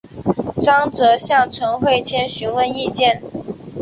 张则向陈惠谦询问意见。